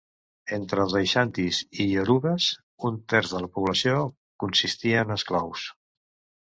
Entre els aixantis i iorubes un terç de la població consistia en esclaus.